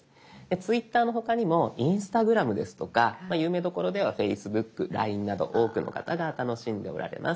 「Ｔｗｉｔｔｅｒ」の他にも「Ｉｎｓｔａｇｒａｍ」ですとか有名どころでは「Ｆａｃｅｂｏｏｋ」「ＬＩＮＥ」など多くの方が楽しんでおられます。